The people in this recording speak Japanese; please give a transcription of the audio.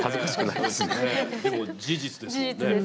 でも、事実ですもんね。